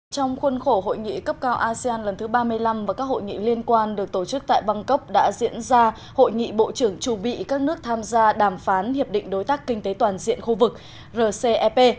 trong khuôn khổ hội nghị cấp cao asean lần thứ ba mươi năm và các hội nghị liên quan được tổ chức tại bangkok đã diễn ra hội nghị bộ trưởng chủ bị các nước tham gia đàm phán hiệp định đối tác kinh tế toàn diện khu vực rcep